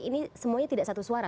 ini semuanya tidak satu suara